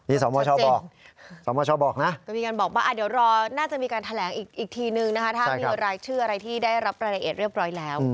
นี่สมชบอกสมชบอกนะ